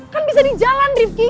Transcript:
kan bisa di jalan rivki